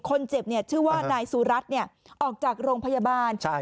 คนเจ็บชื่อว่านายสุรัสออกจากโรงพยาบาล